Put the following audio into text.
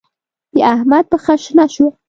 د احمد پښه شنه شوه.